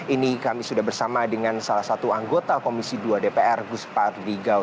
ini kami sudah bersama dengan salah satu anggota komisi dua dpr gus parligao